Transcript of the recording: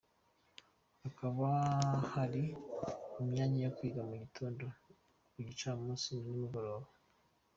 Hakaba hari imyanya yo kwiga mu gitondo, ku gicamunsi na nimugoroba.